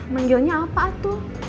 manggilnya apa tuh